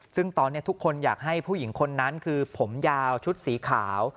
ซึ่งตอนนี้ทุกคนอยากให้ผู้หญิงคนนั้นคือผมยาวชุดสีขาว